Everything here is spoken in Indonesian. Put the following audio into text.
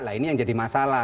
nah ini yang jadi masalah